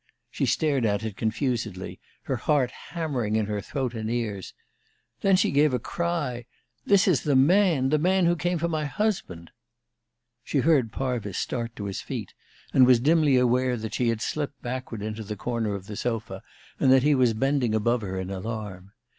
She stared at it confusedly, her heart hammering in her throat and ears. Then she gave a cry. "This is the man the man who came for my husband!" She heard Parvis start to his feet, and was dimly aware that she had slipped backward into the corner of the sofa, and that he was bending above her in alarm.